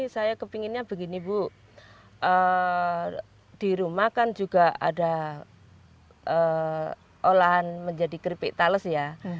saya kepinginnya begini bu di rumah kan juga ada olahan menjadi keripik tales ya